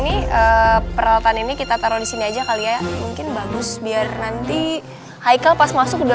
ini peralatan ini kita taruh di sini aja kali ya mungkin bagus biar nanti haikal pas masuk